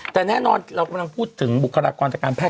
แต่แน่นอนเรากำลังพูดถึงบุคลากรจากการแพท